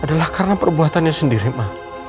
adalah karena perbuatannya sendiri mah